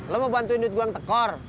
lo mau bantuin itu doang tekor